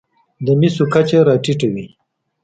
د مسو کچه راټېته وي.